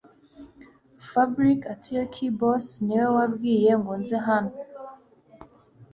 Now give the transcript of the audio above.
Fabric atiokey boss niwe wabwiye ngo nze habo